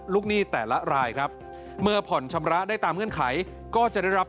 หนี้แต่ละรายครับเมื่อผ่อนชำระได้ตามเงื่อนไขก็จะได้รับ